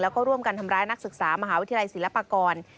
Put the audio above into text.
แล้วก็ร่วมกันทำร้ายนักศึกษามหาวิทยาลัยศิลปากร